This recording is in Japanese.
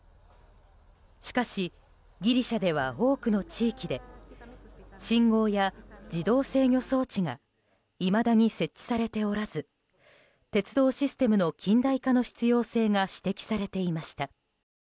しかし、ギリシャでは多くの地域で信号や自動制御装置がいまだに設置されておらず鉄道システムの近代化の必要性が指摘されていました。